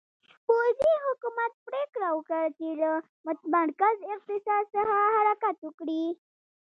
پوځي حکومت پرېکړه وکړه چې له متمرکز اقتصاد څخه حرکت وکړي.